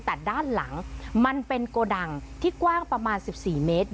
แต่ด้านหลังมันเป็นโกดังที่กว้างประมาณ๑๔เมตร